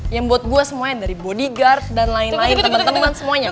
yang buat gue semuanya dari bodyguard dan lain lain temen temen semuanya